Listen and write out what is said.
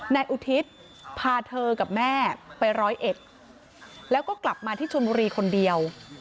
นายอุทิศพาเธอกับแม่ไปร้อยเอ็ดแล้วก็กลับมาที่ชนบุรีคนเดียว